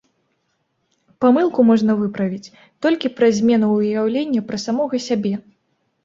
Памылку можна выправіць толькі праз змену ўяўлення пра самога сябе.